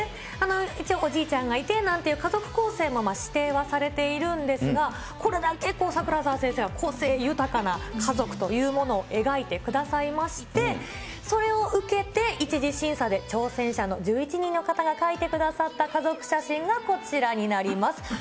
一応、おじいちゃんがいてなんていう家族構成も指定はされているんですが、これだけ桜沢先生は個性豊かな家族というものを描いてくださいまして、それを受けて、１次審査で挑戦者の１１人の方が描いてくださった家族写真が、こちらになります。